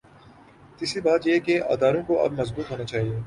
تیسری بات یہ کہ اداروں کو اب مضبوط ہو نا چاہیے۔